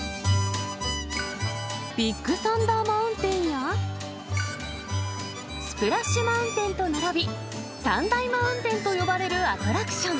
ビッグサンダー・マウンテンや、スプラッシュ・マウンテンと並び、三大マウンテンと呼ばれるアトラクション。